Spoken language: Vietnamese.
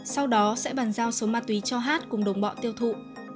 sau đó sẽ bàn giao số ma túy cho h cùng đồng bọ tiêu thụ